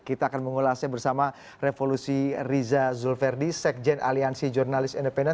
kita akan mengulasnya bersama revolusi riza zulverdi sekjen aliansi jurnalis independen